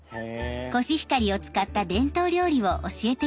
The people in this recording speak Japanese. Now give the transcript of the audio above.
コシヒカリを使った伝統料理を教えて頂きました。